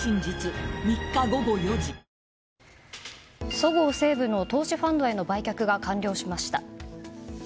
そごう・西武の投資ファンドへの売却が完了しました。